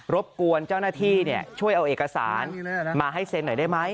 บกวนเจ้าหน้าที่ช่วยเอาเอกสารมาให้เซ็นหน่อยได้ไหม